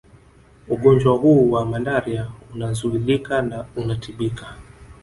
Ugonjwa hu wa malaria unazuilika na unatibika